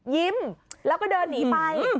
ยิ้มแล้วก็เดินหนีไป